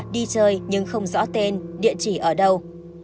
đi chơi nhưng không rõ tên địa chỉ ở đâu